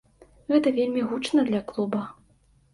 Гэта вельмі гучна для клуба.